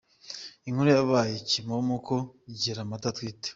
Inkuru yabaye kimomo ko giramata atwite